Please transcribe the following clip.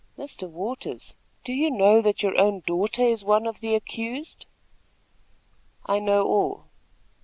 "Mr. Waters, do you know that your own daughter is one of the accused?" "I know all."